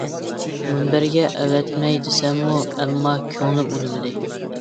مۇنبەرگە ئەۋەتمەي دېسەممۇ ئەمما كۆڭلۈم ئۇنىمىدى.